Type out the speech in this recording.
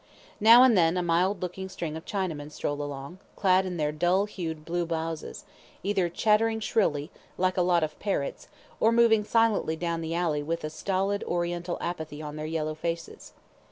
Now and then a mild looking string of Chinamen stole along, clad in their dull hued blue blouses, either chattering shrilly, like a lot of parrots, or moving silently down the alley with a stolid Oriental apathy on their yellow faces.